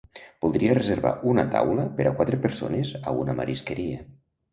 Voldria reservar una taula per a quatre persones a una marisqueria.